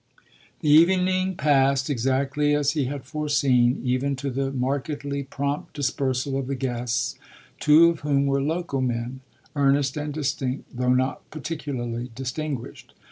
The evening passed exactly as he had foreseen, even to the markedly prompt dispersal of the guests, two of whom were "local" men, earnest and distinct, though not particularly distinguished.